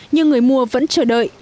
nhưng người mua vẫn chờ đợi